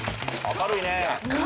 明るいね。